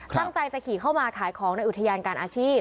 ตั้งใจจะขี่เข้ามาขายของในอุทยานการอาชีพ